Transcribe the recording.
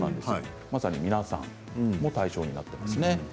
まさに皆さんも対象になったんですね。